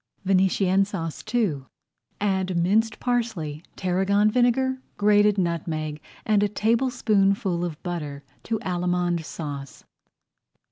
VENETIENNE SAUCE II Add minced parsley, tarragon vinegar, [Page 40] grated nutmeg, and a tablespoonful of butter to Allemande Sauce.